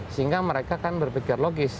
sehingga mereka kan berpikir logis